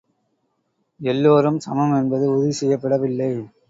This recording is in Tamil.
எல்லாரும் சமம் என்பது உறுதிசெய்யப்படவில்லை.